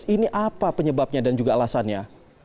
ini apa penyebabnya dan juga alasannya